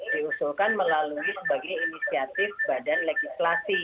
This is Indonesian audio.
diusulkan melalui sebagai inisiatif badan legislasi